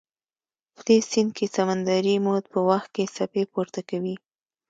په دې سیند کې سمندري مد په وخت کې څپې پورته کوي.